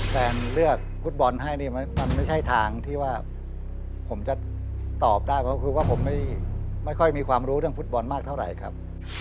เลือกฟุตบอลให้นี่มันไม่ใช่ทางที่ว่าผมจะตอบได้เพราะคือว่าผมไม่ค่อยมีความรู้เรื่องฟุตบอลมากเท่าไหร่ครับ